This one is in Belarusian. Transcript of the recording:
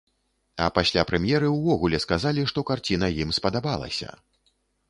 А пасля прэм'еры ўвогуле сказалі, што карціна ім спадабалася.